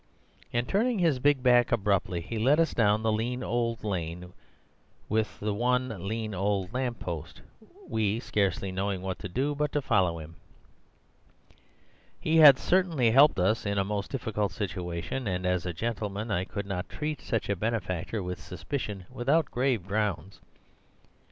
And turning his big back abruptly, he led us down the lean old lane with the one lean old lamp post, we scarcely knowing what to do but to follow him. He had certainly helped us in a most difficult situation, and, as a gentleman, I could not treat such a benefactor with suspicion without grave grounds.